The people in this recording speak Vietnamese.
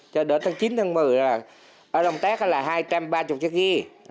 cho đỡ tháng chín tháng một mươi ở đồng tét là hai trăm ba mươi chiếc ghi